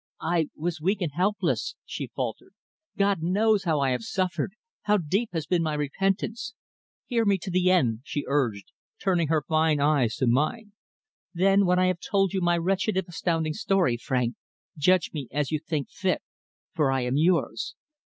"I was weak and helpless," she faltered. "God knows how I have suffered; how deep has been my repentance. Hear me to the end," she urged, turning her fine eyes to mine. "Then, when I have told you my wretched if astounding story, Frank, judge me as you think fit for I am yours."